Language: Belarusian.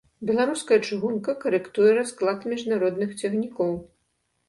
Беларуская чыгунка карэктуе расклад міжнародных цягнікоў.